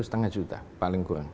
setengah juta paling kurang